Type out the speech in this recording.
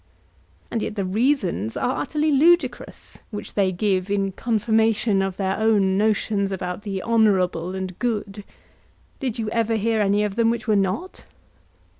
And yet the reasons are utterly ludicrous which they give in confirmation of their own notions about the honourable and good. Did you ever hear any of them which were not?